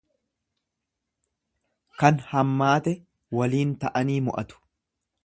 Kan hammaate waliin ta'anii mo'atu.